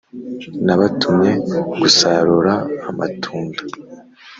Nabatumye gusarura amatunda